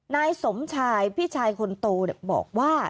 นายสมชายพี่ชายคนโตบอกว่า